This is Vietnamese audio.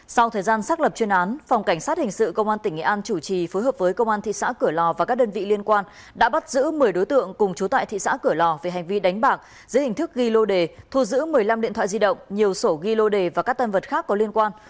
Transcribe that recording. sau thời gian xác lập chuyên án phòng cảnh sát hình sự công an tỉnh nghệ an chủ trì phối hợp với công an thị xã cửa lò và các đơn vị liên quan đã bắt giữ một mươi đối tượng cùng chú tại thị xã cửa lò về hành vi đánh bạc dưới hình thức ghi lô đề thu giữ một mươi năm điện thoại di động nhiều sổ ghi lô đề và các tân vật khác có liên quan